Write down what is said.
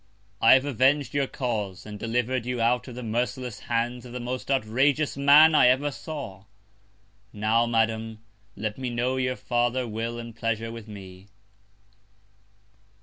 I have aveng'd your Cause, and deliver'd you out of the merciless Hands of the most outrageous Man I ever saw. Now, Madam, let me know your farther Will and Pleasure with me.